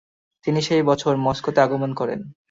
তিনি সেই বছর মস্কোতে আগমন করেন।